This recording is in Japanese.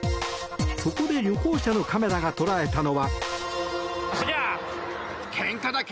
そこで旅行者のカメラが捉えたのは？